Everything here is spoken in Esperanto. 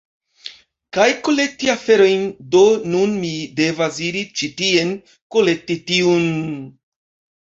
kaj kolekti aferojn, do nun mi devas iri ĉi tien, kolekti tiun…